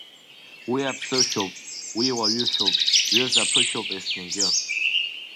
Уи аԥсышәоуп, уи уаҩышәоуп, ҩыза ԥышәоуп есқьынгьы.